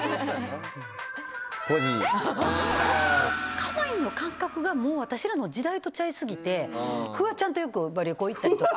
カワイイの感覚が私らの時代と違い過ぎてフワちゃんとよく旅行行ったりとか。